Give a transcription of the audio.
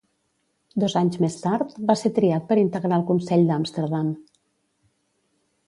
Dos anys més tard, va ser triat per integrar el consell d'Amsterdam.